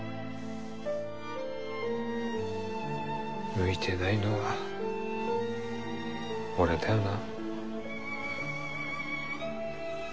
向いてないのは俺だよな。